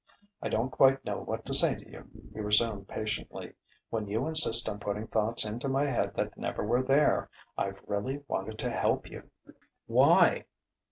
"I don't quite know what to say to you," he resumed patiently, "when you insist on putting thoughts into my head that never were there. I've really wanted to help you " "Why?"